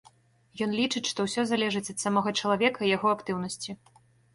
Ён лічыць, што ўсё залежыць ад самога чалавека і яго актыўнасці.